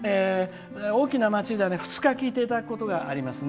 大きな町では２日聴いていただくことがあります。